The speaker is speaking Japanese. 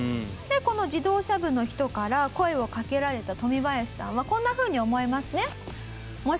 この自動車部の人から声をかけられたトミバヤシさんはこんなふうに思いますね。